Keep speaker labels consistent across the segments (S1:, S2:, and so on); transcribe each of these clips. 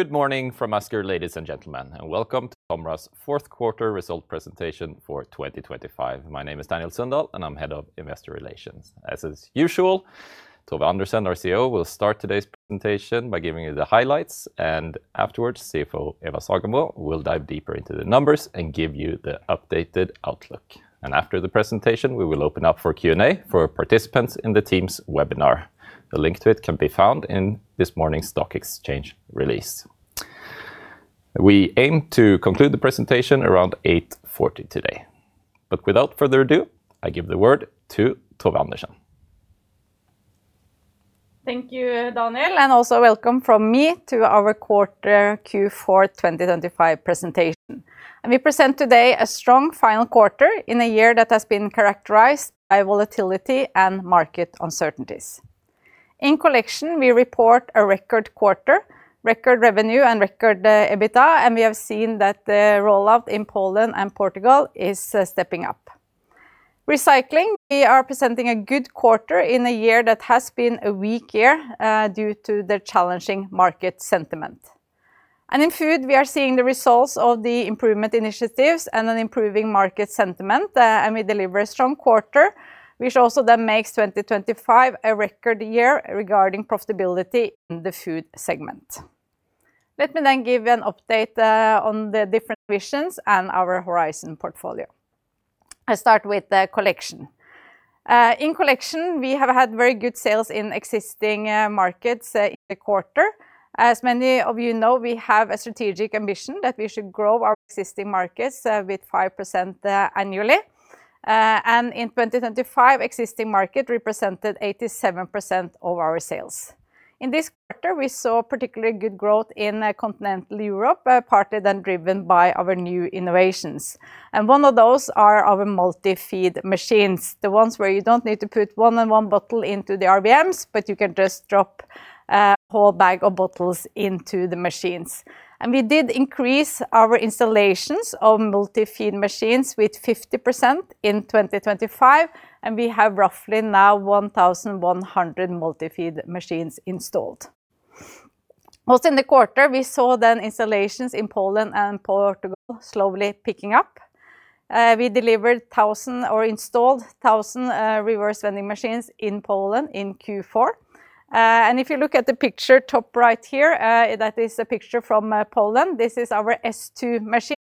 S1: Good morning from Oslo, ladies and gentlemen, and welcome to TOMRA's Fourth Quarter Result Presentation for 2025. My name is Daniel Sundahl, and I'm Head of Investor Relations. As is usual, Tove Andersen, our CEO, will start today's presentation by giving you the highlights, and afterwards, CFO Eva Sagemo will dive deeper into the numbers and give you the updated outlook. And after the presentation, we will open up for Q&A for participants in the Teams webinar. The link to it can be found in this morning's stock exchange release. We aim to conclude the presentation around 8:40 A.M. today, but without further ado, I give the word to Tove Andersen.
S2: Thank you, Daniel, and also welcome from me to our quarter Q4 2025 presentation. We present today a strong final quarter in a year that has been characterized by volatility and market uncertainties. In Collection, we report a record quarter, record revenue, and record EBITDA, and we have seen that the rollout in Poland and Portugal is stepping up. Recycling, we are presenting a good quarter in a year that has been a weak year, due to the challenging market sentiment. In Food, we are seeing the results of the improvement initiatives and an improving market sentiment, and we deliver a strong quarter, which also then makes 2025 a record year regarding profitability in the Food segment. Let me then give you an update, on the different visions and our horizon portfolio. I start with the Collection. In Collection, we have had very good sales in existing markets in the quarter. As many of you know, we have a strategic ambition that we should grow our existing markets with 5% annually. In 2025, existing market represented 87% of our sales. In this quarter, we saw particularly good growth in Continental Europe, partly then driven by our new innovations. One of those are our multi-feed machines, the ones where you don't need to put one and one bottle into the RVMs, but you can just drop a whole bag of bottles into the machines. We did increase our installations of multi-feed machines with 50% in 2025, and we have roughly now 1,100 multi-feed machines installed. Also in the quarter, we saw then installations in Poland and Portugal slowly picking up. We delivered 1,000 or installed 1,000 reverse vending machines in Poland in Q4. And if you look at the picture top right here, that is a picture from Poland. This is our S2 machine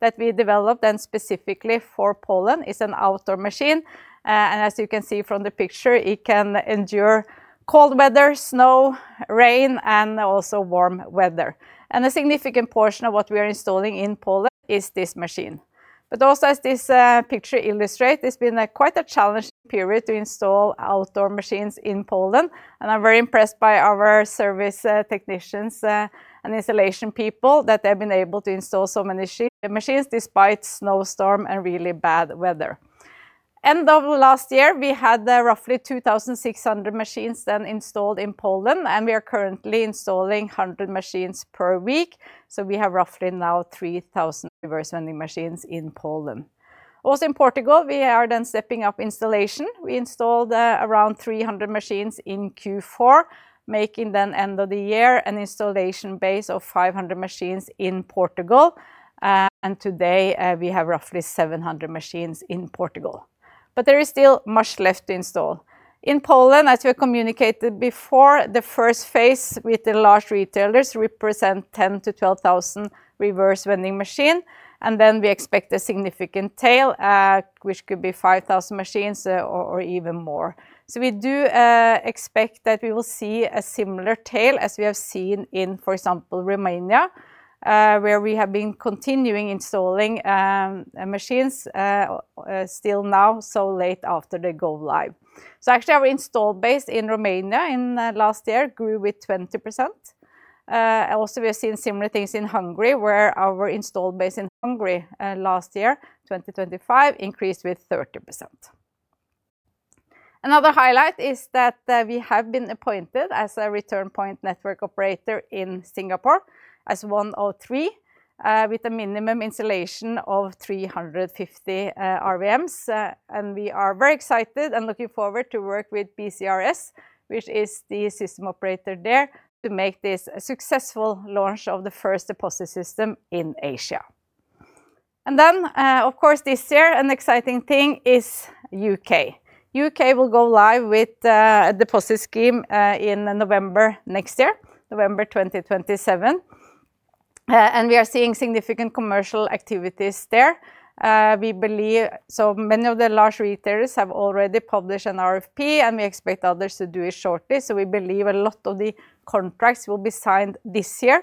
S2: that we developed and specifically for Poland. It's an outdoor machine, and as you can see from the picture, it can endure cold weather, snow, rain, and also warm weather. And a significant portion of what we are installing in Poland is this machine. But also, as this picture illustrate, it's been a quite a challenging period to install outdoor machines in Poland, and I'm very impressed by our service technicians and installation people, that they've been able to install so many machines despite snowstorm and really bad weather. End of last year, we had roughly 2,600 machines then installed in Poland, and we are currently installing 100 machines per week, so we have roughly now 3,000 reverse vending machines in Poland. Also in Portugal, we are then stepping up installation. We installed around 300 machines in Q4, making then end of the year an installation base of 500 machines in Portugal, and today we have roughly 700 machines in Portugal. But there is still much left to install. In Poland, as we communicated before, the first phase with the large retailers represent 10,000-12,000 reverse vending machine, and then we expect a significant tail, which could be 5,000 machines or even more. So we do expect that we will see a similar tail as we have seen in, for example, Romania, where we have been continuing installing machines still now, so late after they go live. So actually, our installed base in Romania in last year grew with 20%. Also, we have seen similar things in Hungary, where our installed base in Hungary last year, 2025, increased with 30%. Another highlight is that we have been appointed as a Return Point Network Operator in Singapore as one of three with a minimum installation of 350 RVMs, and we are very excited and looking forward to work with BCRS, which is the system operator there, to make this a successful launch of the first deposit system in Asia. Then, of course, this year, an exciting thing is U.K. U.K. will go live with a deposit scheme in November next year, November 2027, and we are seeing significant commercial activities there. We believe. So many of the large retailers have already published an RFP, and we expect others to do it shortly, so we believe a lot of the contracts will be signed this year,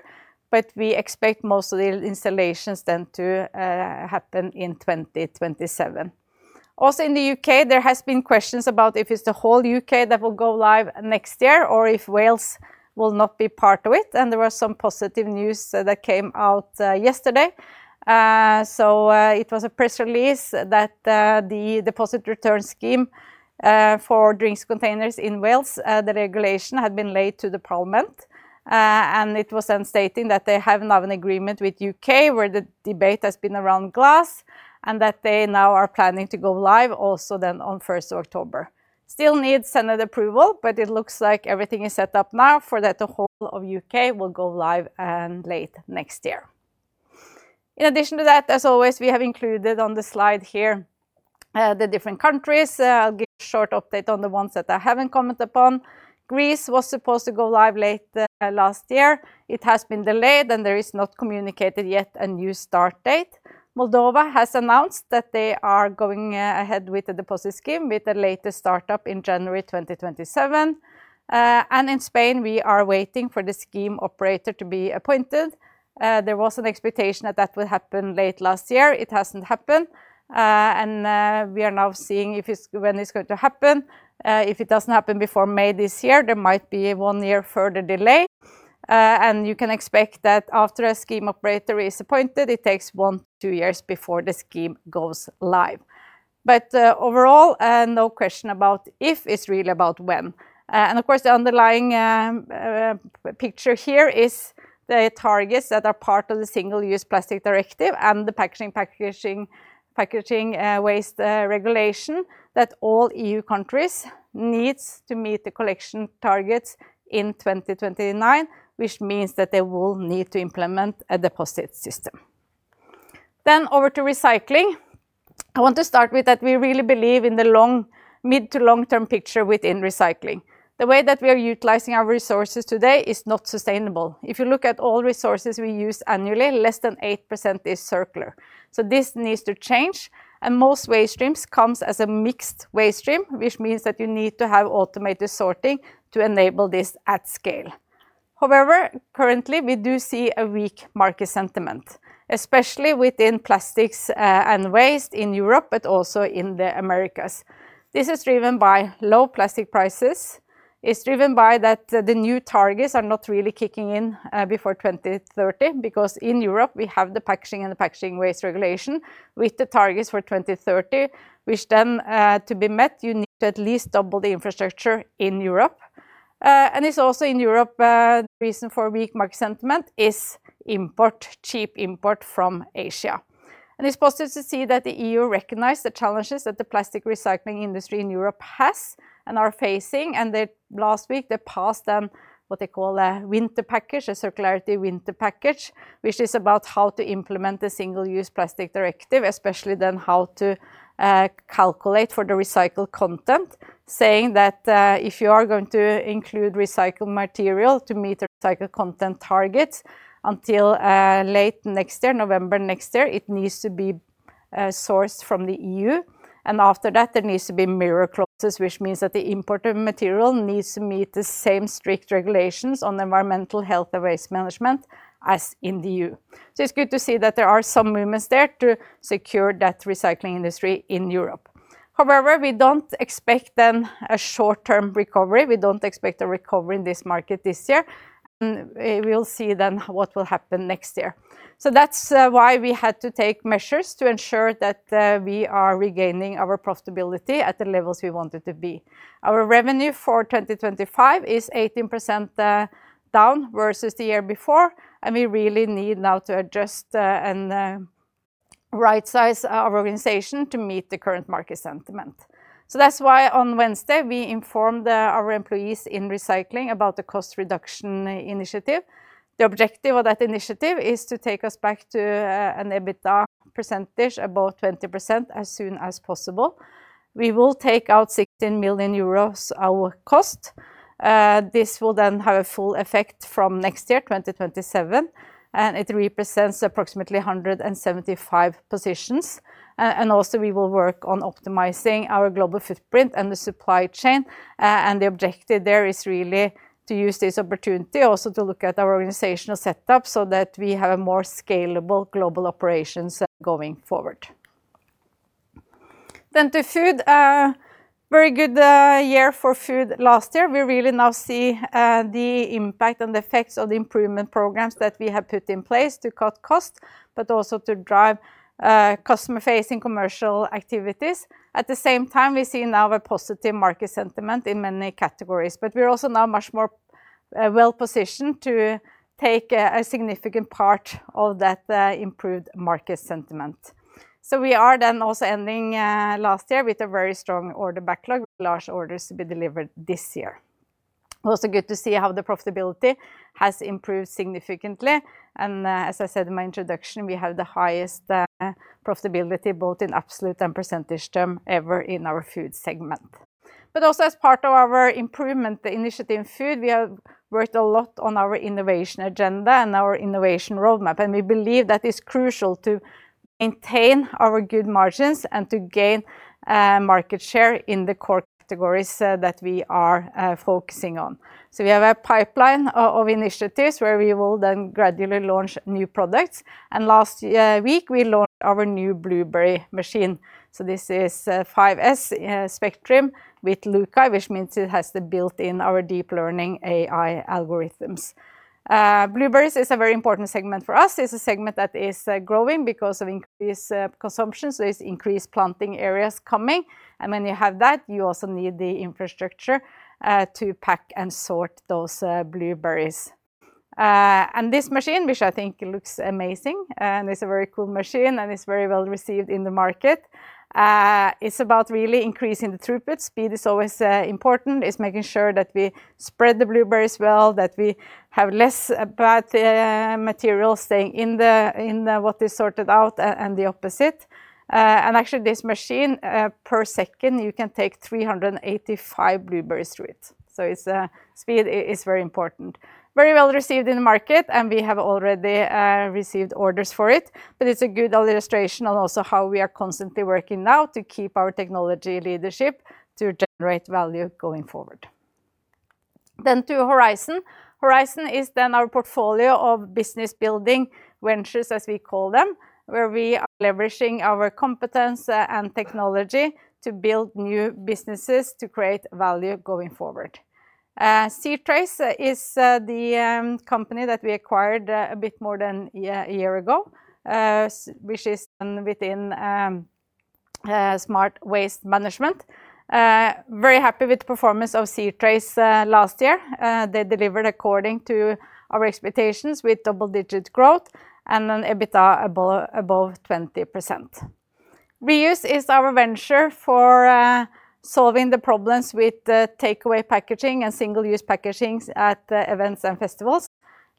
S2: but we expect most of the installations then to happen in 2027. Also in the U.K., there has been questions about if it's the whole U.K. that will go live next year or if Wales will not be part of it, and there was some positive news that came out yesterday. So, it was a press release that the deposit return scheme for drinks containers in Wales, the regulation had been laid to the Parliament, and it was then stating that they have now an agreement with U.K., where the debate has been around glass, and that they now are planning to go live also then on first October. Still needs Senate approval, but it looks like everything is set up now for that the whole of U.K. will go live, late next year. In addition to that, as always, we have included on the slide here the different countries. I'll give a short update on the ones that I haven't commented upon. Greece was supposed to go live late last year. It has been delayed, and there is not communicated yet a new start date. Moldova has announced that they are going ahead with the deposit scheme, with the latest startup in January 2027. In Spain, we are waiting for the scheme operator to be appointed. There was an expectation that that would happen late last year. It hasn't happened. We are now seeing when it's going to happen. If it doesn't happen before May this year, there might be a one-year further delay. You can expect that after a scheme operator is appointed, it takes one to two years before the scheme goes live. But overall, no question about if, it's really about when. And of course, the underlying picture here is the targets that are part of the Single-Use Plastics Directive and the Packaging and Packaging Waste Regulation that all E.U. countries need to meet the Collection targets in 2029, which means that they will need to implement a deposit system. Then over to Recycling. I want to start with that we really believe in the mid- to long-term picture within Recycling. The way that we are utilizing our resources today is not sustainable. If you look at all resources we use annually, less than 8% is circular. So this needs to change, and most waste streams come as a mixed waste stream, which means that you need to have automated sorting to enable this at scale. However, currently, we do see a weak market sentiment, especially within plastics, and waste in Europe, but also in the Americas. This is driven by low plastic prices. It's driven by that the new targets are not really kicking in, before 2030, because in Europe, we have the Packaging and Packaging Waste Regulation, with the targets for 2030, which then, to be met, you need to at least double the infrastructure in Europe. And it's also in Europe, the reason for weak market sentiment is import, cheap import from Asia. It's positive to see that the E.U. recognize the challenges that the plastic Recycling industry in Europe has and are facing, and they last week passed what they call a Circularity Winter Package, which is about how to implement the Single-Use Plastics Directive, especially then how to calculate for the recycled content. Saying that, if you are going to include recycled material to meet the recycled content targets until late next year, November next year, it needs to be sourced from the E.U., and after that, there needs to be mirror clauses, which means that the imported material needs to meet the same strict regulations on environmental health and waste management as in the E.U.. It's good to see that there are some movements there to secure that Recycling industry in Europe. However, we don't expect then a short-term recovery. We don't expect a recovery in this market this year, and we'll see then what will happen next year. So that's why we had to take measures to ensure that we are regaining our profitability at the levels we want it to be. Our revenue for 2025 is 18% down versus the year before, and we really need now to adjust and rightsize our organization to meet the current market sentiment. So that's why on Wednesday, we informed our employees in Recycling about the cost reduction initiative. The objective of that initiative is to take us back to an EBITDA percentage, about 20%, as soon as possible. We will take out 16 million euros our cost. This will then have a full effect from next year, 2027, and it represents approximately 175 positions. And also, we will work on optimizing our global footprint and the supply chain. And the objective there is really to use this opportunity also to look at our organizational setup so that we have a more scalable global operations going forward. Then to Food. A very good year for Food last year. We really now see the impact and the effects of the improvement programs that we have put in place to cut costs, but also to drive customer-facing commercial activities. At the same time, we see now a positive market sentiment in many categories, but we're also now much more well-positioned to take a significant part of that improved market sentiment. So we are then also ending last year with a very strong order backlog, large orders to be delivered this year. Also good to see how the profitability has improved significantly, and as I said in my introduction, we have the highest profitability, both in absolute and percentage term, ever in our Food segment. But also as part of our improvement, the initiative in Food, we have worked a lot on our innovation agenda and our innovation roadmap, and we believe that is crucial to maintain our good margins and to gain market share in the core categories that we are focusing on. So we have a pipeline of initiatives where we will then gradually launch new products, and last week, we launched our new blueberry machine. So this is 5S Spectrim with LUCAi, which means it has the built-in our deep learning AI algorithms. Blueberries is a very important segment for us. It's a segment that is growing because of increased consumption, so there's increased planting areas coming. And when you have that, you also need the infrastructure to pack and sort those blueberries. And this machine, which I think looks amazing, and it's a very cool machine, and it's very well received in the market, it's about really increasing the throughput. Speed is always important. It's making sure that we spread the blueberries well, that we have less bad material staying in the what is sorted out and the opposite. And actually, this machine per second, you can take 385 blueberries through it, so it's speed is very important. Very well received in the market, and we have already received orders for it. But it's a good illustration on also how we are constantly working now to keep our technology leadership to generate value going forward. Then to Horizon. Horizon is then our portfolio of business-building ventures, as we call them, where we are leveraging our competence and technology to build new businesses to create value going forward. c-trace is the company that we acquired a bit more than a year ago, which is within smart waste management. Very happy with the performance of c-trace last year. They delivered according to our expectations with double-digit growth and an EBITDA above 20%. TOMRA Reuse is our venture for solving the problems with the takeaway packaging and single-use packagings at events and festivals.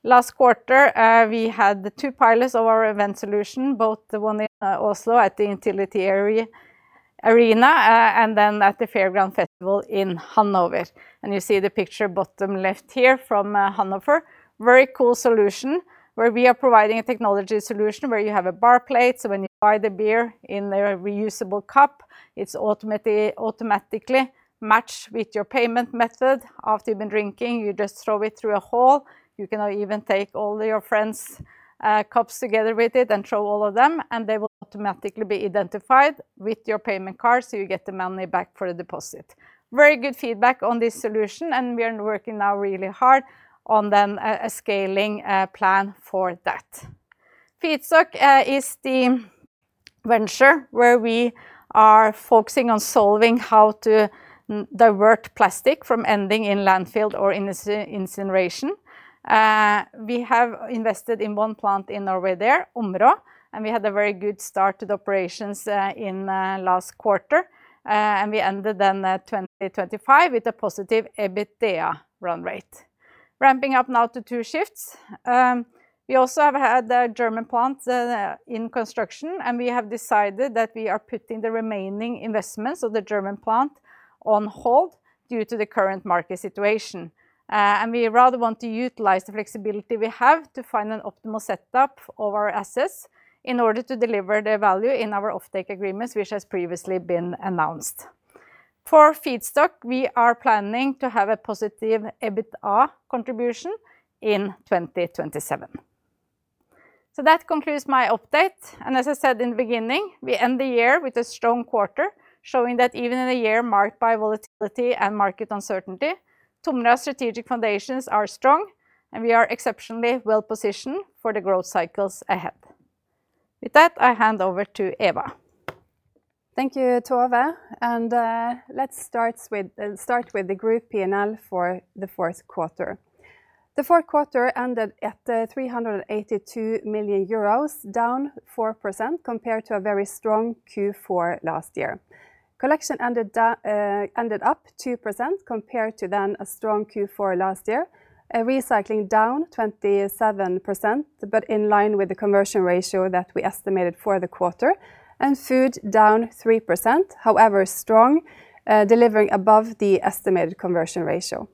S2: Last quarter, we had the two pilots of our event solution, both the one in Oslo at the Telenor Arena, and then at the Fairground Festival in Hannover. And you see the picture bottom left here from Hannover. Very cool solution, where we are providing a technology solution where you have a bar plate, so when you buy the beer in a reusable cup, it's ultimately automatically matched with your payment method. After you've been drinking, you just throw it through a hole. You can even take all your friends', cups together with it and throw all of them, and they will automatically be identified with your payment card, so you get the money back for the deposit. Very good feedback on this solution, and we are working now really hard on then a scaling plan for that. Feedstock is the venture where we are focusing on solving how to divert plastic from ending in landfill or incineration. We have invested in one plant in Norway there, Omhu, and we had a very good start to the operations in last quarter, and we ended then at 2025 with a positive EBITDA run rate. Ramping up now to two shifts, we also have had the German plant in construction, and we have decided that we are putting the remaining investments of the German plant on hold due to the current market situation. And we rather want to utilize the flexibility we have to find an optimal setup of our assets in order to deliver the value in our offtake agreements, which has previously been announced. For feedstock, we are planning to have a positive EBITDA contribution in 2027. So that concludes my update, and as I said in the beginning, we end the year with a strong quarter, showing that even in a year marked by volatility and market uncertainty, TOMRA's strategic foundations are strong, and we are exceptionally well-positioned for the growth cycles ahead. With that, I hand over to Eva.
S3: Thank you, Tove, and let's start with the group P&L for the fourth quarter. The fourth quarter ended at 382 million euros, down 4% compared to a very strong Q4 last year. Collection ended down, ended up 2% compared to then a strong Q4 last year. Recycling down 27%, but in line with the conversion ratio that we estimated for the quarter, and Food down 3%, however, strong, delivering above the estimated conversion ratio.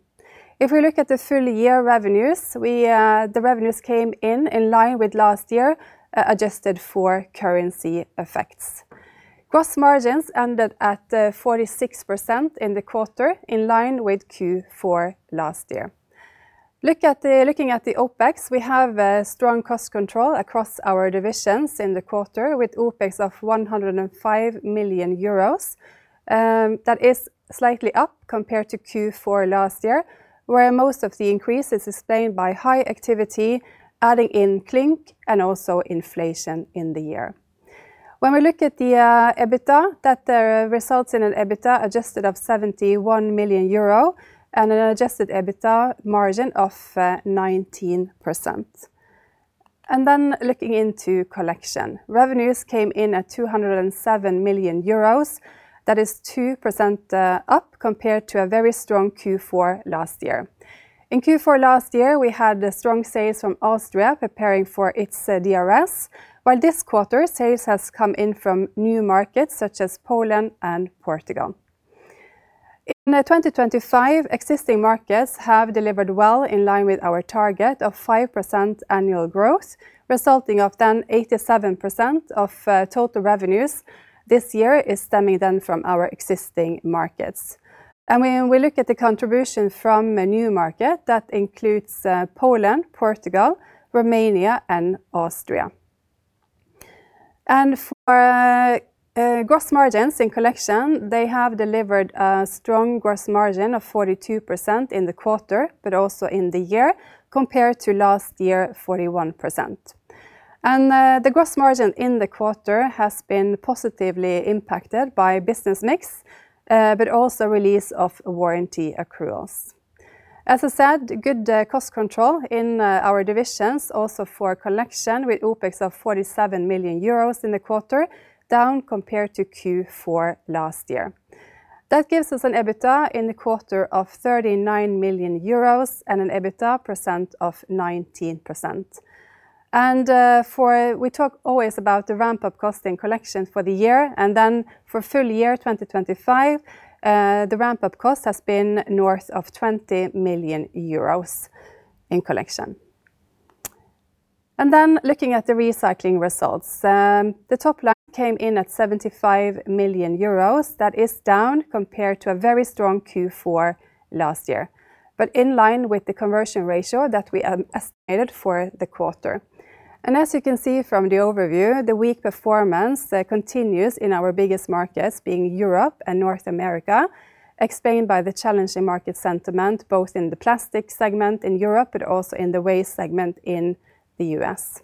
S3: If we look at the full year revenues, we, the revenues came in in line with last year, adjusted for currency effects. Gross margins ended at 46% in the quarter, in line with Q4 last year. Looking at the OpEx, we have a strong cost control across our divisions in the quarter, with OpEx of 105 million euros. That is slightly up compared to Q4 last year, where most of the increase is sustained by high activity, adding in Clink and also inflation in the year. When we look at the EBITDA, that results in an adjusted EBITDA of 71 million euro and an adjusted EBITDA margin of 19%. And then looking into Collection, revenues came in at 207 million euros. That is 2% up compared to a very strong Q4 last year. In Q4 last year, we had strong sales from Austria preparing for its DRS, while this quarter, sales has come in from new markets, such as Poland and Portugal. In 2025, existing markets have delivered well in line with our target of 5% annual growth, resulting of then 87% of total revenues this year is stemming then from our existing markets. When we look at the contribution from a new market, that includes Poland, Portugal, Romania, and Austria. For gross margins in Collection, they have delivered a strong gross margin of 42% in the quarter, but also in the year, compared to last year, 41%. The gross margin in the quarter has been positively impacted by business mix, but also release of warranty accruals. As I said, good cost control in our divisions, also for Collection with OpEx of 47 million euros in the quarter, down compared to Q4 last year. That gives us an EBITDA in the quarter of 39 million euros and an EBITDA of 19%. And, we talk always about the ramp-up cost in Collection for the year, and then for full year 2025, the ramp-up cost has been north of 20 million euros in Collection. And then looking at the Recycling results, the top line came in at 75 million euros. That is down compared to a very strong Q4 last year, but in line with the conversion ratio that we estimated for the quarter. And as you can see from the overview, the weak performance continues in our biggest markets, being Europe and North America, explained by the challenging market sentiment, both in the plastic segment in Europe, but also in the waste segment in the U.S.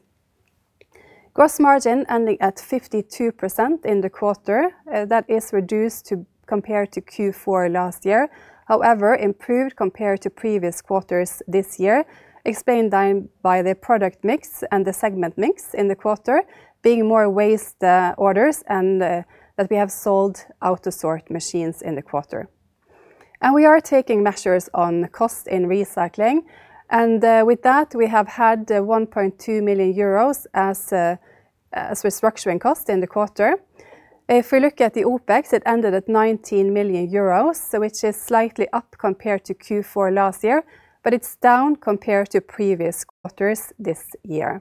S3: Gross margin ending at 52% in the quarter, that is reduced compared to Q4 last year. However, improved compared to previous quarters this year, explained by the product mix and the segment mix in the quarter, being more waste orders and that we have sold AUTOSORT machines in the quarter. We are taking measures on cost in Recycling, and with that, we have had 1.2 million euros as restructuring cost in the quarter. If we look at the OpEx, it ended at 19 million euros, so which is slightly up compared to Q4 last year, but it's down compared to previous quarters this year.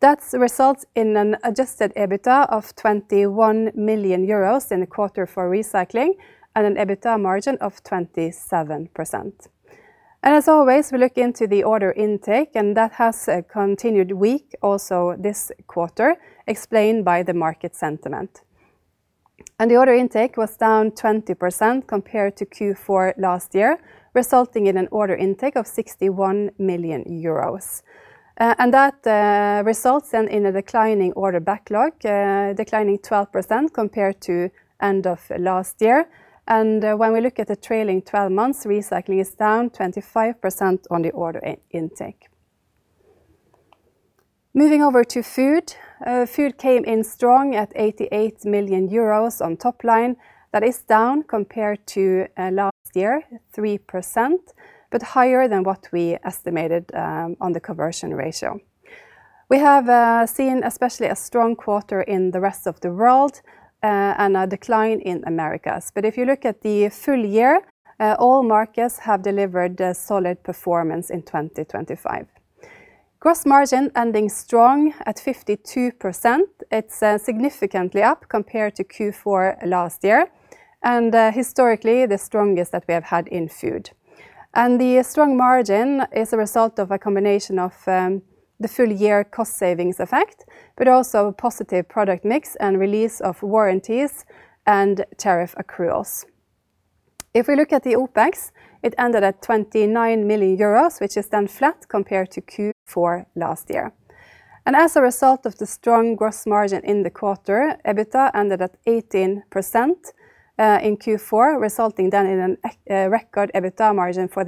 S3: That's the result in an adjusted EBITDA of 21 million euros in the quarter for Recycling and an EBITDA margin of 27%. As always, we look into the order intake, and that has continued weak also this quarter, explained by the market sentiment. The order intake was down 20% compared to Q4 last year, resulting in an order intake of 61 million euros. And that results then in a declining order backlog, declining 12% compared to end of last year. When we look at the trailing twelve months, Recycling is down 25% on the order intake. Moving over to Food. Food came in strong at 88 million euros on top line. That is down compared to last year, 3%, but higher than what we estimated on the conversion ratio. We have seen especially a strong quarter in the Rest of the World and a decline in Americas. But if you look at the full year, all markets have delivered a solid performance in 2025. Gross margin ending strong at 52%. It's significantly up compared to Q4 last year, and historically, the strongest that we have had in Food. And the strong margin is a result of a combination of the full year cost savings effect, but also a positive product mix and release of warranties and tariff accruals. If we look at the OpEx, it ended at 29 million euros, which is then flat compared to Q4 last year. As a result of the strong gross margin in the quarter, EBITDA ended at 18% in Q4, resulting then in a record EBITDA margin for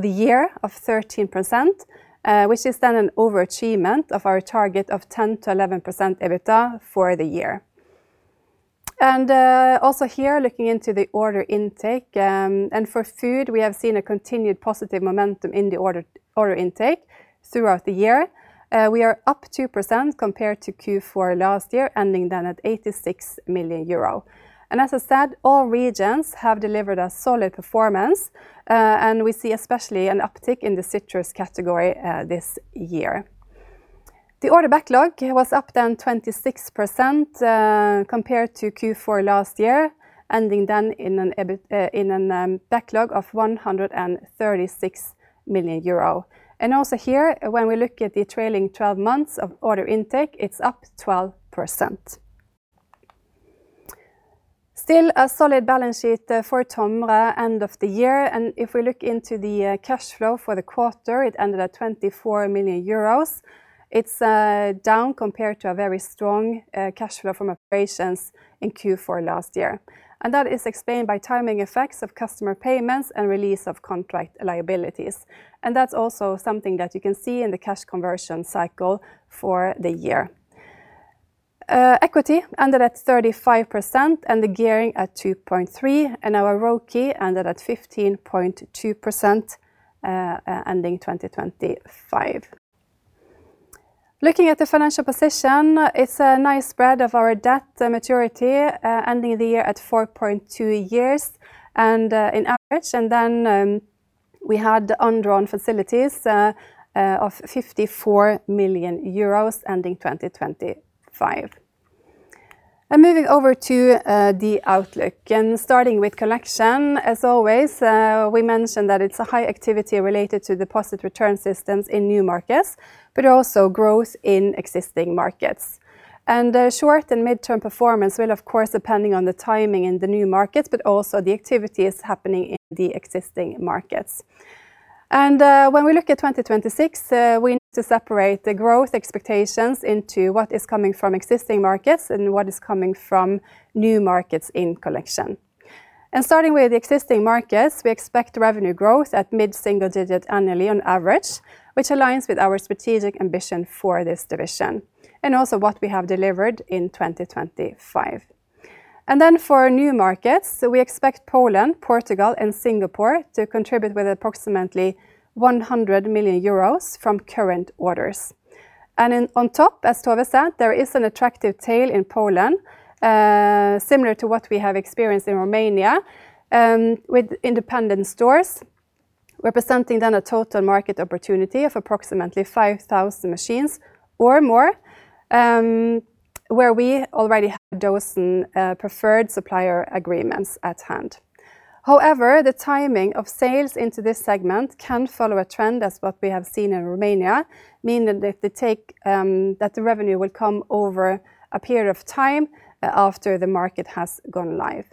S3: the year of 13%, which is then an overachievement of our target of 10%-11% EBITDA for the year. Also here, looking into the order intake and for Food, we have seen a continued positive momentum in the order intake throughout the year. We are up 2% compared to Q4 last year, ending then at 86 million euro. And as I said, all regions have delivered a solid performance, and we see especially an uptick in the citrus category this year. The order backlog was up then 26% compared to Q4 last year, ending then in an EBITDA... In a backlog of 136 million euro. And also here, when we look at the trailing twelve months of order intake, it's up 12%. Still a solid balance sheet for TOMRA end of the year, and if we look into the cash flow for the quarter, it ended at 24 million euros. It's down compared to a very strong cash flow from operations in Q4 last year. And that is explained by timing effects of customer payments and release of contract liabilities. And that's also something that you can see in the cash conversion cycle for the year. Equity ended at 35% and the gearing at 2.3, and our ROCE ended at 15.2%, ending 2025. Looking at the financial position, it's a nice spread of our debt maturity, ending the year at 4.2 years and in average, and then we had undrawn facilities of 54 million euros ending 2025. Moving over to the outlook, and starting with Collection, as always, we mentioned that it's a high activity related to deposit return systems in new markets, but also growth in existing markets. Short and midterm performance will, of course, depending on the timing in the new markets, but also the activities happening in the existing markets.... When we look at 2026, we need to separate the growth expectations into what is coming from existing markets and what is coming from new markets in Collection. Starting with the existing markets, we expect revenue growth at mid-single digit annually on average, which aligns with our strategic ambition for this division, and also what we have delivered in 2025. Then for new markets, we expect Poland, Portugal, and Singapore to contribute with approximately 100 million euros from current orders. On top, as Tove said, there is an attractive tail in Poland, similar to what we have experienced in Romania, with independent stores, representing then a total market opportunity of approximately 5,000 machines or more, where we already have those in preferred supplier agreements at hand. However, the timing of sales into this segment can follow a trend as what we have seen in Romania, meaning that if they take, that the revenue will come over a period of time, after the market has gone live.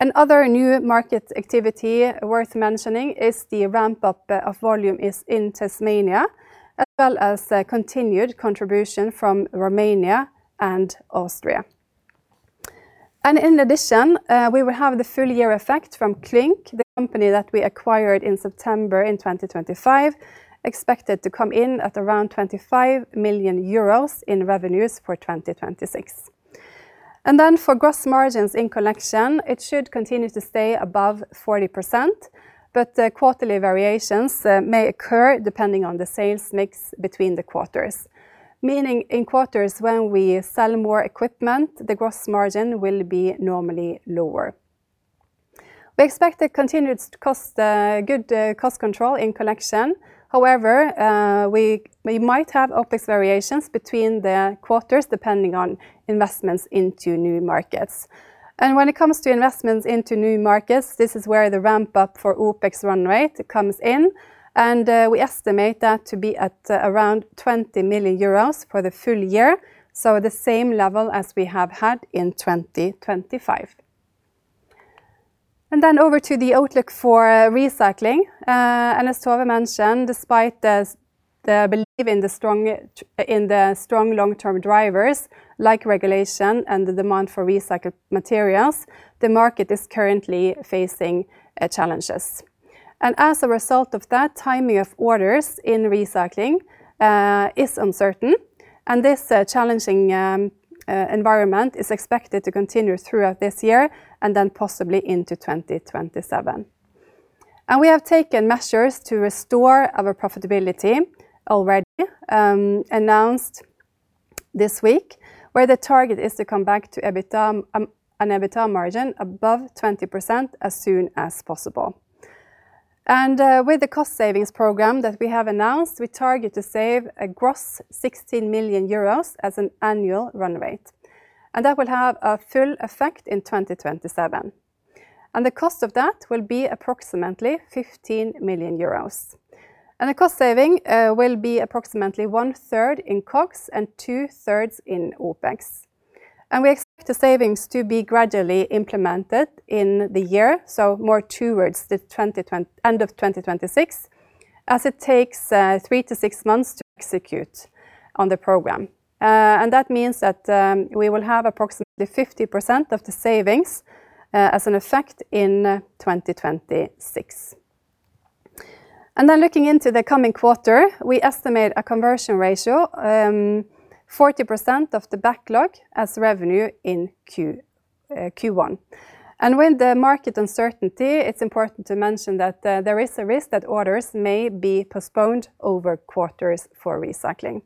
S3: Another new market activity worth mentioning is the ramp-up of volume is in Tasmania, as well as, continued contribution from Romania and Austria. And in addition, we will have the full year effect from Clink, the company that we acquired in September in 2025, expected to come in at around 25 million euros in revenues for 2026. And then for gross margins in Collection, it should continue to stay above 40%, but, quarterly variations, may occur depending on the sales mix between the quarters. Meaning in quarters, when we sell more equipment, the gross margin will be normally lower. We expect a continued cost, good, cost control in Collection. However, we might have OpEx variations between the quarters, depending on investments into new markets. When it comes to investments into new markets, this is where the ramp up for OpEx run rate comes in, and we estimate that to be at around 20 million euros for the full year, so the same level as we have had in 2025. Then over to the outlook for Recycling. As Tove mentioned, despite the belief in the strong long-term drivers, like regulation and the demand for recycled materials, the market is currently facing challenges. As a result of that, timing of orders in Recycling is uncertain, and this challenging environment is expected to continue throughout this year and then possibly into 2027. We have taken measures to restore our profitability already announced this week, where the target is to come back to an EBITDA margin above 20% as soon as possible. With the cost savings program that we have announced, we target to save a gross 16 million euros as an annual run rate, and that will have a full effect in 2027. The cost of that will be approximately 15 million euros. The cost saving will be approximately one-third in COGS and two-thirds in OpEx. We expect the savings to be gradually implemented in the year, so more towards the end of 2026, as it takes 3-6 months to execute on the program. And that means that we will have approximately 50% of the savings as an effect in 2026. And then looking into the coming quarter, we estimate a conversion ratio 40% of the backlog as revenue in Q1. And with the market uncertainty, it's important to mention that there is a risk that orders may be postponed over quarters for Recycling.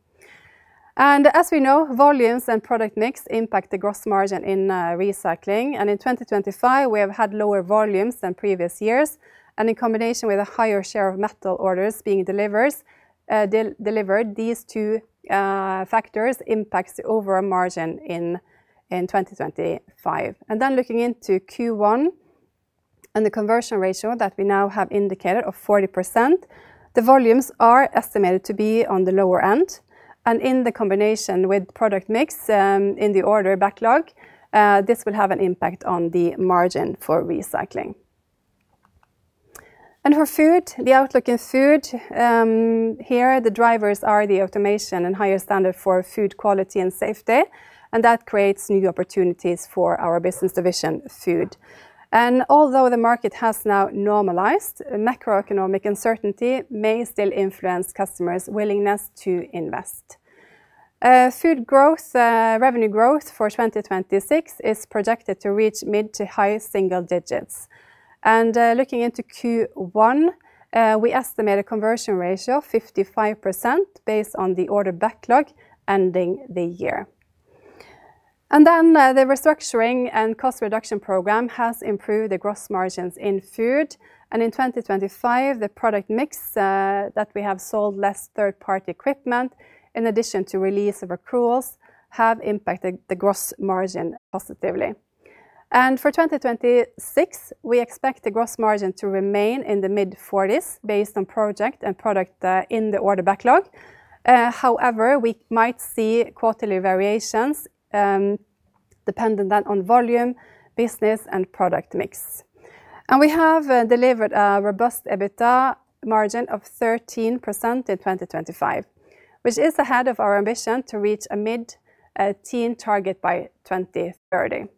S3: And as we know, volumes and product mix impact the gross margin in Recycling. In 2025, we have had lower volumes than previous years, and in combination with a higher share of metal orders being delivered, these two factors impact the overall margin in 2025. Then looking into Q1 and the conversion ratio that we now have indicated of 40%, the volumes are estimated to be on the lower end, and in combination with product mix in the order backlog, this will have an impact on the margin for Recycling. For Food, the outlook in Food here, the drivers are the automation and higher standard for Food quality and safety, and that creates new opportunities for our business division, Food. Although the market has now normalized, macroeconomic uncertainty may still influence customers' willingness to invest. Food growth, revenue growth for 2026 is projected to reach mid- to high single digits. Looking into Q1, we estimate a conversion ratio of 55% based on the order backlog ending the year. Then, the restructuring and cost reduction program has improved the gross margins in Food. In 2025, the product mix, that we have sold less third-party equipment, in addition to release of accruals, have impacted the gross margin positively. For 2026, we expect the gross margin to remain in the mid-forties based on project and product in the order backlog. However, we might see quarterly variations, dependent then on volume, business, and product mix. We have delivered a robust EBITDA margin of 13% in 2025, which is ahead of our ambition to reach a mid-teen target by 2030.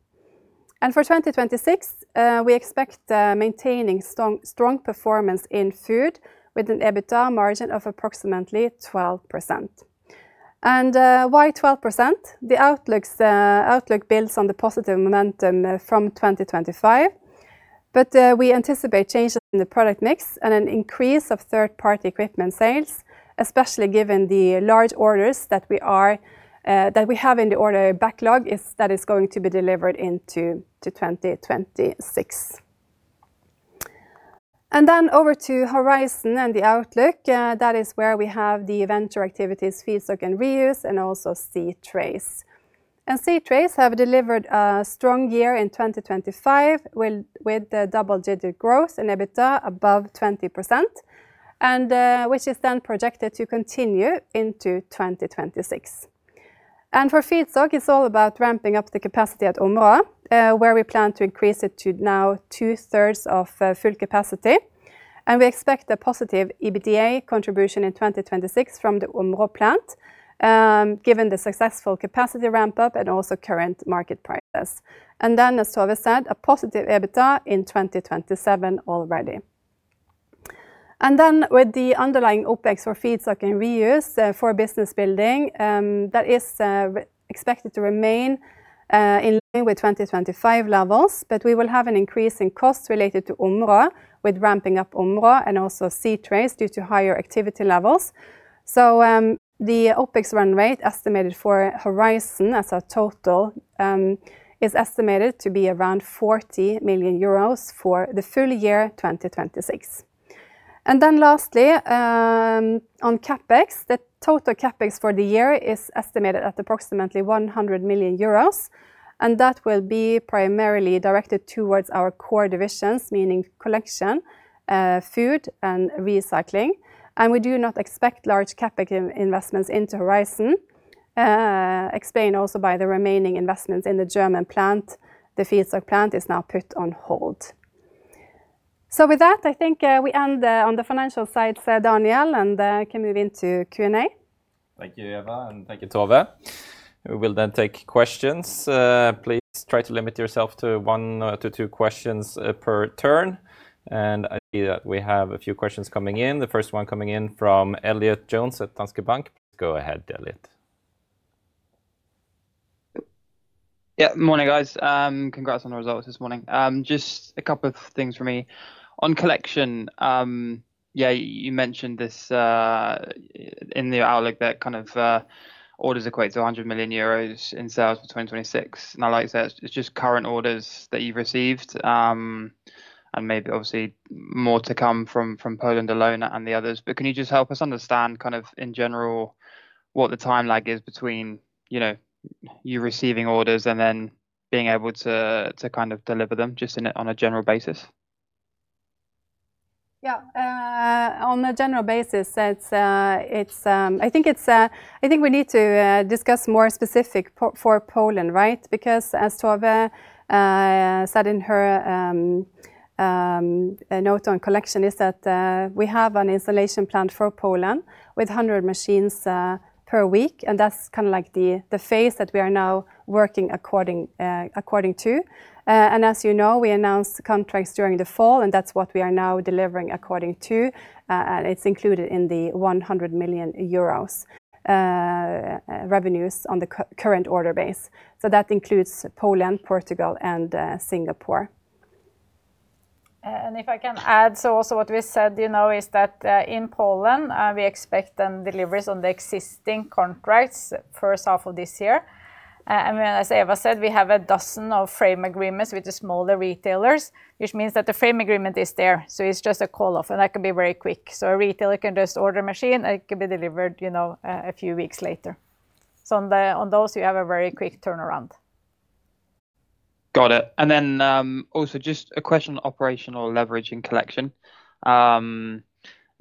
S3: For 2026, we expect maintaining strong, strong performance in Food, with an EBITDA margin of approximately 12%. Why 12%? The outlook builds on the positive momentum from 2025, but we anticipate changes in the product mix and an increase of third-party equipment sales, especially given the large orders that we have in the order backlog that is going to be delivered into 2026. Then over to Horizon and the outlook, that is where we have the venture activities, Feedstock and Reuse, and also c-trace. c-trace has delivered a strong year in 2025, with double-digit growth in EBITDA above 20%, and which is then projected to continue into 2026. For Feedstock, it's all about ramping up the capacity at Omhu, where we plan to increase it to now two-thirds of full capacity, and we expect a positive EBITDA contribution in 2026 from the Omhu plant, given the successful capacity ramp-up and also current market prices. And then, as Tove said, a positive EBITDA in 2027 already. And then with the underlying OpEx for Feedstock and Reuse, for business building, that is expected to remain in line with 2025 levels, but we will have an increase in costs related to Omhu, with ramping up Omhu and also c-trace due to higher activity levels. So, the OpEx run rate estimated for Horizon as a total, is estimated to be around 40 million euros for the full year, 2026. Then lastly, on CapEx, the total CapEx for the year is estimated at approximately 100 million euros, and that will be primarily directed towards our core divisions, meaning Collection, Food, and Recycling. We do not expect large CapEx investments into Horizon, explained also by the remaining investments in the German plant. The feedstock plant is now put on hold. So with that, I think, we end, on the financial side, Daniel, and, can move into Q&A.
S1: Thank you, Eva, and thank you, Tove. We will then take questions. Please try to limit yourself to one to two questions per turn. I see that we have a few questions coming in. The first one coming in from Elliott Jones at Danske Bank. Please go ahead, Elliott.
S4: Yeah. Morning, guys. Congrats on the results this morning. Just a couple of things for me. On Collection, yeah, you mentioned this, in the outlook that kind of, orders equate to 100 million euros in sales for 2026. And I like that. It's just current orders that you've received, and maybe obviously more to come from, from Poland alone and the others, but can you just help us understand kind of, in general, what the timeline is between, you know, you receiving orders and then being able to, to kind of deliver them, just in a, on a general basis?
S3: Yeah. On a general basis, it's, it's, I think it's... I think we need to discuss more specific po- for Poland, right? Because as Tove said in her note on Collection, is that we have an installation plant for Poland with 100 machines per week, and that's kind of like the phase that we are now working according to. And as you know, we announced contracts during the fall, and that's what we are now delivering according to, and it's included in the 100 million euros revenues on the current order base. So that includes Poland, Portugal, and Singapore.
S2: If I can add, so also what we said, you know, is that in Poland we expect then deliveries on the existing contracts first half of this year. As Eva said, we have a dozen framework agreements with the smaller retailers, which means that the framework agreement is there, so it's just a call-off, and that can be very quick. So a retailer can just order a machine, and it can be delivered, you know, a few weeks later. So on those, you have a very quick turnaround.
S4: Got it. Then, also just a question on operational leverage and Collection.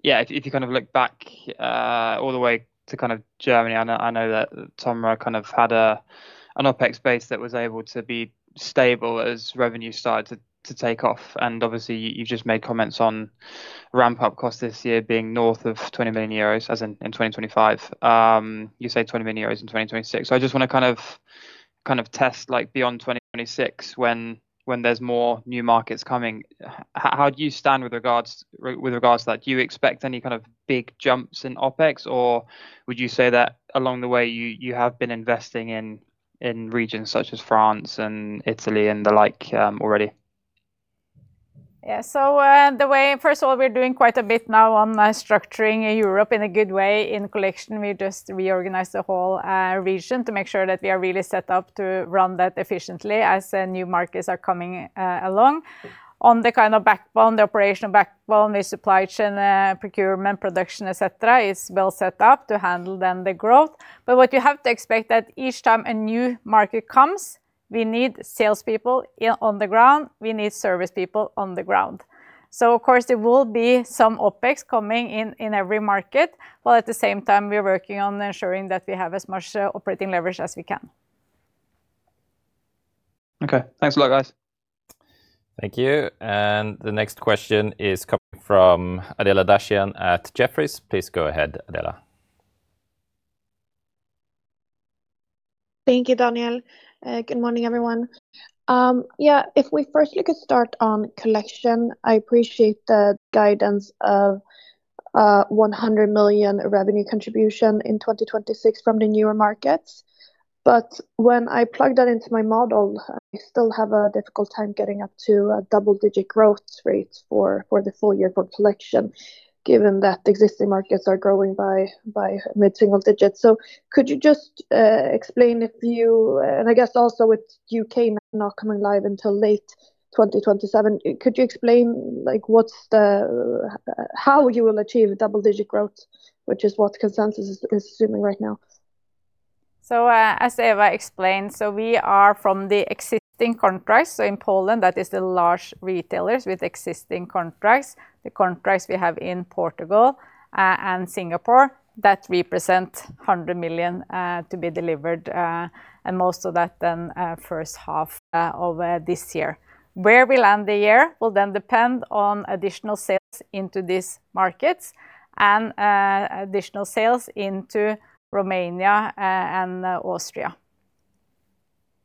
S4: Yeah, if, if you kind of look back, all the way to kind of Germany, I know, I know that Omhu kind of had a, an OpEx base that was able to be stable as revenue started to, to take off, and obviously, you just made comments on ramp-up costs this year being north of 20 million euros, as in, in 2025. You say 20 million euros in 2026. So I just wanna kind of, kind of test, like, beyond 2026, when, when there's more new markets coming, how do you stand with regards, with regards to that? Do you expect any kind of big jumps in OpEx, or would you say that along the way you have been investing in regions such as France and Italy and the like, already?
S2: Yeah. So the way —first of all, we're doing quite a bit now on structuring Europe in a good way. In Collection, we just reorganized the whole region to make sure that we are really set up to run that efficiently as the new markets are coming along. On the kind of backbone, the operational backbone, the supply chain, procurement, production, et cetera, is well set up to handle then the growth. But what you have to expect that each time a new market comes, we need salespeople on the ground, we need service people on the ground. So of course, there will be some OpEx coming in, in every market, while at the same time we're working on ensuring that we have as much operating leverage as we can.
S4: Okay, thanks a lot, guys.
S1: Thank you. The next question is coming from Adela Dashian at Jefferies. Please go ahead, Adela.
S5: Thank you, Daniel. Good morning, everyone. Yeah, if we first, we could start on Collection. I appreciate the guidance of 100 million revenue contribution in 2026 from the newer markets. But when I plug that into my model, I still have a difficult time getting up to a double-digit growth rate for the full year for Collection, given that existing markets are growing by mid-single digits. So could you just explain if you and I guess also with U.K. not coming live until late 2027, could you explain like what's the how you will achieve double-digit growth, which is what consensus is assuming right now?
S2: So, as Eva explained, so we are from the existing contracts. So in Poland, that is the large retailers with existing contracts. The contracts we have in Portugal, and Singapore, that represent 100 million to be delivered, and most of that then first half of this year. Where we land the year will then depend on additional sales into these markets and, additional sales into Romania, and Austria.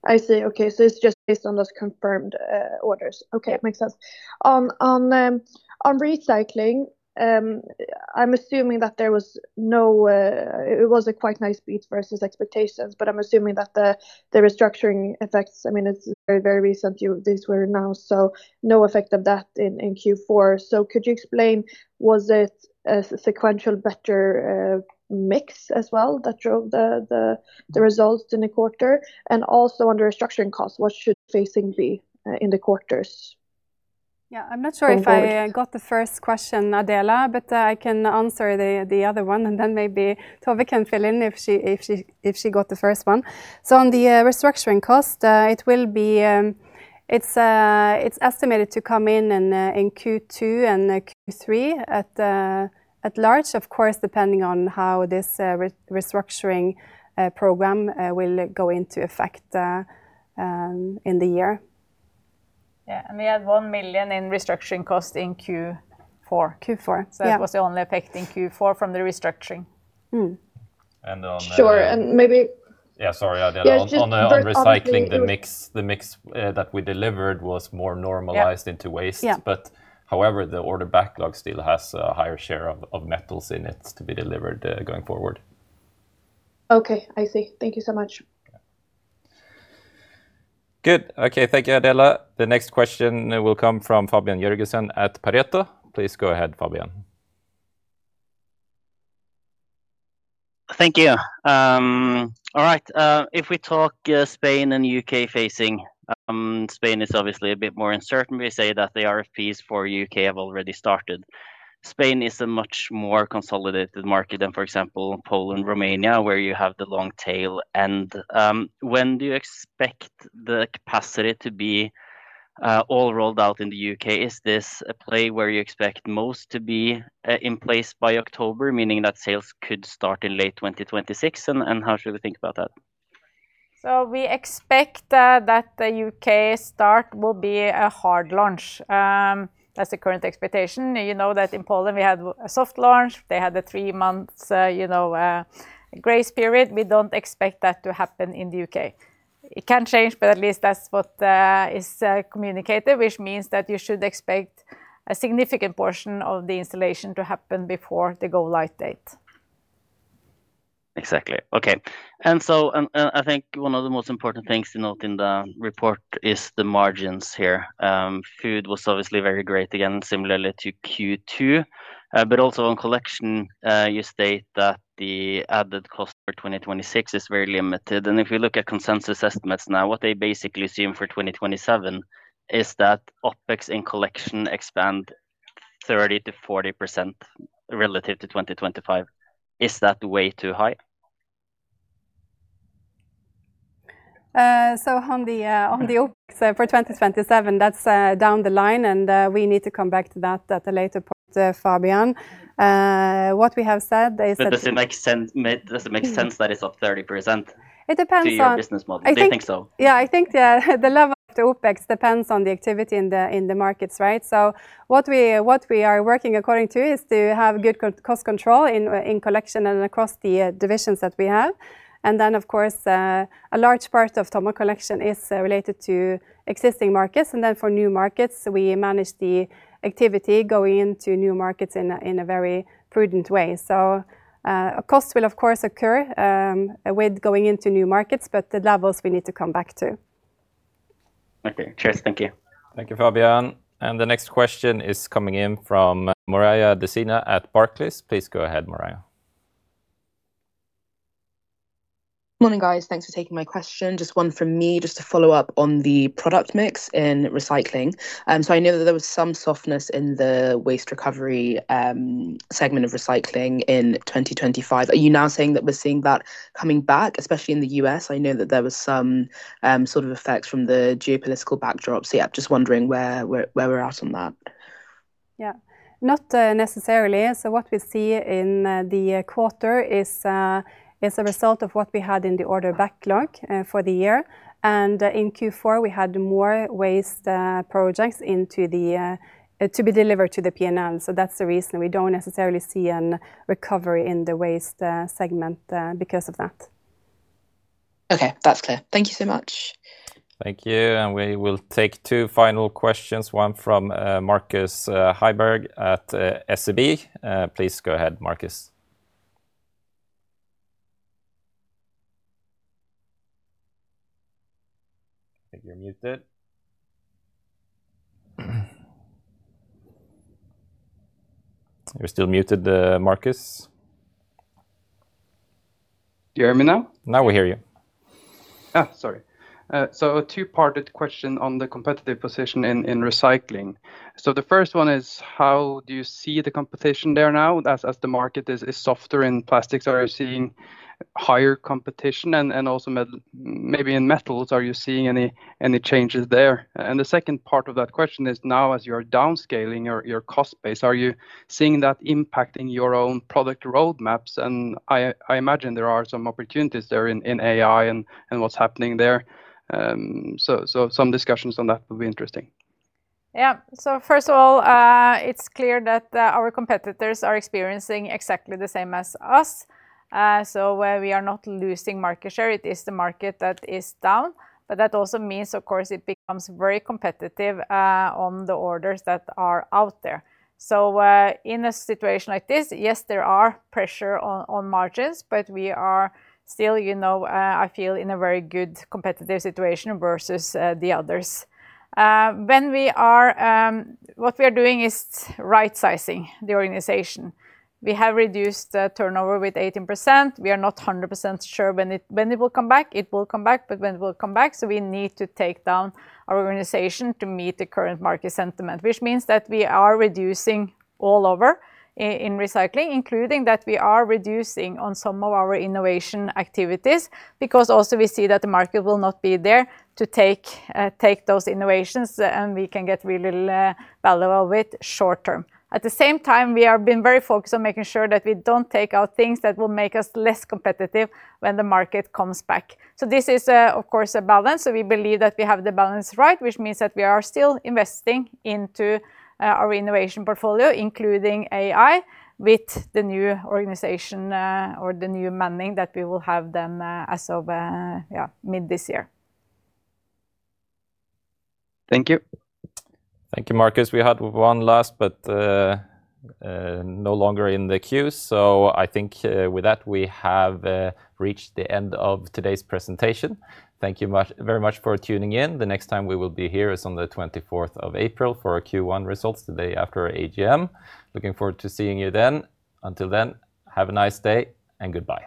S5: I see. Okay, so it's just based on those confirmed orders. Okay, makes sense. On Recycling, I'm assuming that there was no... It was a quite nice beat versus expectations, but I'm assuming that the restructuring effects, I mean, it's very, very recent, these were announced, so no effect of that in Q4. So could you explain, was it a sequential better mix as well that drove the results in the quarter? And also on the restructuring cost, what should facing be in the quarters?
S3: Yeah. I'm not sure if I got the first question, Adela, but I can answer the other one, and then maybe Tove can fill in if she got the first one. So on the restructuring cost, it will be, it's estimated to come in in Q2 and Q3 at large, of course, depending on how this restructuring program will go into effect in the year.
S2: Yeah, and we had 1 million in restructuring cost in Q4.
S3: Q4, yeah.
S2: That was the only effect in Q4 from the restructuring.
S3: Mm-hmm.
S1: And on the.
S5: Sure, and maybe.
S1: Yeah, sorry, Adela.
S5: Yeah, just on the.
S1: On Recycling the mix that we delivered was more normalized into waste. However, the order backlog still has a higher share of metals in it to be delivered, going forward.
S5: Okay, I see. Thank you so much.
S1: Good. Okay. Thank you, Adela. The next question will come from Fabian Jørgensen at Pareto. Please go ahead, Fabian.
S6: Thank you. All right, if we talk, Spain and U.K. facing, Spain is obviously a bit more uncertain. We say that the RFPs for U.K. have already started. Spain is a much more consolidated market than, for example, Poland, Romania, where you have the long tail. And, when do you expect the capacity to be, all rolled out in the U.K.? Is this a play where you expect most to be, in place by October, meaning that sales could start in late 2026, and, and how should we think about that?
S2: We expect that the U.K. start will be a hard launch. That's the current expectation. You know that in Poland, we had a soft launch. They had the three months, you know, grace period. We don't expect that to happen in the U.K.. It can change, but at least that's what is communicated, which means that you should expect a significant portion of the installation to happen before the go-live date.
S6: Exactly. Okay. And so, I think one of the most important things to note in the report is the margins here. Food was obviously very great, again, similarly to Q2. But also on Collection, you state that the added cost for 2026 is very limited. And if you look at consensus estimates now, what they basically assume for 2027 is that OpEx and Collection expand 30%-40% relative to 2025. Is that way too high?
S2: On the OpEx for 2027, that's down the line, and we need to come back to that at a later point, Fabian. What we have said is that-
S6: But does it make sense that it's up 30%?
S2: It depends on.
S6: to your business model?
S2: I think.
S6: Do you think so?
S2: Yeah, I think the level of the OpEx depends on the activity in the markets, right? So what we are working according to is to have good cost control in Collection and across the divisions that we have. And then, of course, a large part of TOMRA Collection is related to existing markets. And then for new markets, we manage the activity going into new markets in a very prudent way. So, cost will of course occur with going into new markets, but the levels we need to come back to.
S6: Okay. Cheers. Thank you.
S1: Thank you, Fabian. The next question is coming in from Mariah Desina at Barclays. Please go ahead, Maria.
S7: Morning, guys. Thanks for taking my question. Just one from me, just to follow up on the product mix in Recycling. So I know that there was some softness in the waste recovery segment of Recycling in 2025. Are you now saying that we're seeing that coming back, especially in the US? I know that there was some sort of effects from the geopolitical backdrop. So yeah, just wondering where we're, where we're at on that.
S2: Yeah, not necessarily. So what we see in the quarter is a result of what we had in the order backlog for the year. And in Q4, we had more waste projects to be delivered to the P&L. So that's the reason we don't necessarily see a recovery in the waste segment because of that.
S7: Okay, that's clear. Thank you so much.
S1: Thank you, and we will take two final questions, one from Markus Heiberg at SEB. Please go ahead, Marcus. I think you're muted. You're still muted, Marcus.
S8: Do you hear me now?
S1: Now we hear you.
S8: Ah, sorry. So a two-parted question on the competitive position in Recycling. So the first one is: How do you see the competition there now as the market is softer in plastics? Are you seeing higher competition? And also metal—maybe in metals, are you seeing any changes there? And the second part of that question is, now, as you are downscaling your cost base, are you seeing that impacting your own product roadmaps? And I imagine there are some opportunities there in AI and what's happening there. So some discussions on that would be interesting.
S2: Yeah. So first of all, it's clear that our competitors are experiencing exactly the same as us. So where we are not losing market share, it is the market that is down, but that also means, of course, it becomes very competitive on the orders that are out there. So, in a situation like this, yes, there are pressure on margins, but we are still, you know, I feel, in a very good competitive situation versus the others. When we are... What we are doing is right-sizing the organization. We have reduced the turnover with 18%. We are not 100% sure when it will come back. It will come back, but when it will come back, so we need to take down our organization to meet the current market sentiment, which means that we are reducing all over in Recycling, including that we are reducing on some of our innovation activities because also we see that the market will not be there to take, take those innovations, and we can get really valuable with short term. At the same time, we have been very focused on making sure that we don't take out things that will make us less competitive when the market comes back. So this is, of course, a balance, so we believe that we have the balance right, which means that we are still investing into our innovation portfolio, including AI, with the new organization, or the new manning that we will have then, as of mid this year.
S8: Thank you.
S1: Thank you, Marcus. We had one last, but no longer in the queue, so I think with that, we have reached the end of today's presentation. Thank you very much for tuning in. The next time we will be here is on the 24th of April for our Q1 results, the day after our AGM. Looking forward to seeing you then. Until then, have a nice day, and goodbye.